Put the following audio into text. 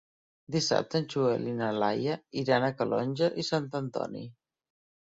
Dissabte en Joel i na Laia iran a Calonge i Sant Antoni.